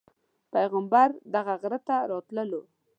پیغمبر دغه غره ته راتللو.